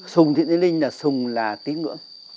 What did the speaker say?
sùng thiện diên linh là sùng là tiếng ngưỡng